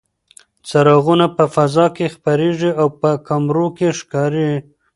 څراغونه په فضا کې خپرېږي او په کمرو کې ښکاري.